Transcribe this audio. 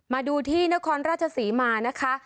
มาดูที่นครราชศรีมานะคะ